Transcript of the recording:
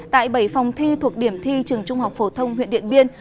tại bảy phòng thi thuộc điểm thi trường trung học phổ thông huyện điện biên